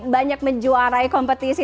banyak menjuarai kompetisi